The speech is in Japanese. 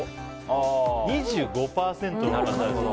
２５％。